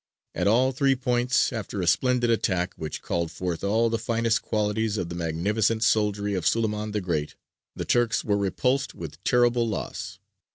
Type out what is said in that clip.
At all three points after a splendid attack, which called forth all the finest qualities of the magnificent soldiery of Suleymān the Great, the Turks were repulsed with terrible loss.